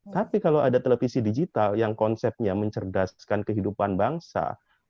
tapi kalau ada televisi digital yang konsepnya mencerdaskan kehidupan bangsa